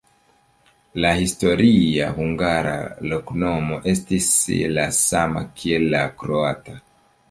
La historia hungara loknomo estis la sama kiel la kroata.